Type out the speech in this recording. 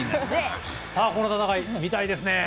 この戦いみたいですね。